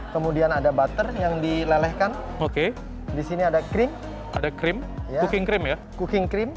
kemudian ada butter yang dilelehkan di sini ada cream ada cream cooking cream ya cooking cream